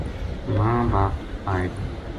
ماں باپ آئے گا